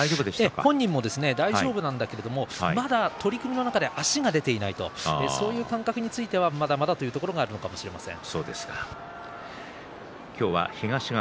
本人も大丈夫なんだけれどまだ取組の中で足が出ていないそういう感覚についてはまだまだというところがあるのかもしれません。